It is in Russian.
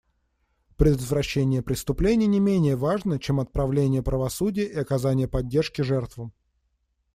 Предотвращение преступлений не менее важно, чем отправление правосудия и оказание поддержки жертвам.